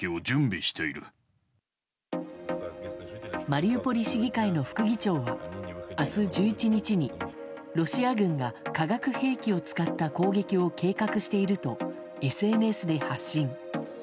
マリウポリ市議会の副議長は明日１１日にロシア軍が化学兵器を使った攻撃を計画しているとＳＮＳで発信。